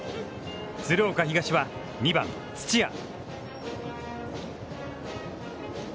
鶴岡東は、２番土屋。